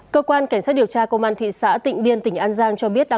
cơ quan cảnh sát điều tra công an thị xã tịnh biên tỉnh an giang cho biết